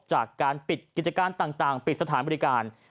จากการปิดกิจการต่างปิดสถานบริการ